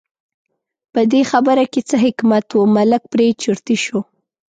په دې خبره کې څه حکمت و، ملک پرې چرتي شو.